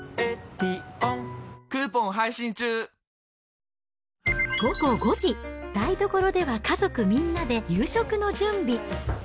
さあ、午後５時、台所では家族みんなで夕食の準備。